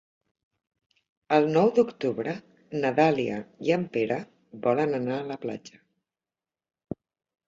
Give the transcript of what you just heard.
El nou d'octubre na Dàlia i en Pere volen anar a la platja.